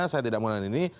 saya tidak menggunakan ini